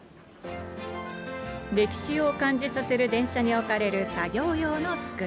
歴史を感じさせる電車に置かれる作業用の机。